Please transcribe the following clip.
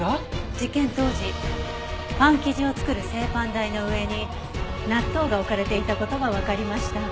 事件当時パン生地を作る製パン台の上に納豆が置かれていた事がわかりました。